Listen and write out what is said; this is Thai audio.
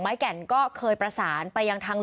มีคนเสียชีวิตคุณ